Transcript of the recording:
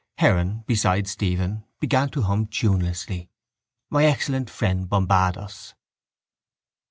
Heron, beside Stephen, began to hum tunelessly. My excellent friend Bombados.